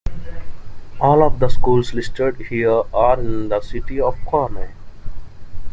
All of the schools listed here are in the city of Conroe.